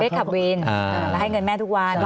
เบ๊ชขับบิลให้เงินแม่ทุกวัน